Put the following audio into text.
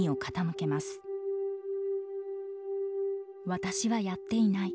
「私はやっていない」。